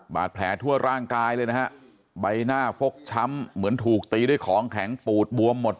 บาดแผลทั่วร่างกายเลยนะฮะใบหน้าฟกช้ำเหมือนถูกตีด้วยของแข็งปูดบวมหมด